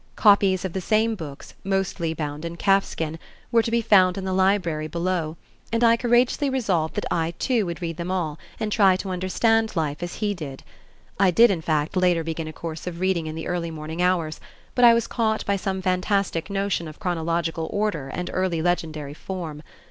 Copies of the same books, mostly bound in calfskin, were to be found in the library below, and I courageously resolved that I too would read them all and try to understand life as he did. I did in fact later begin a course of reading in the early morning hours, but I was caught by some fantastic notion of chronological order and early legendary form.